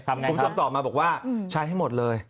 คุณผู้ชมตอบมาบอกว่าใช้ให้หมดเลย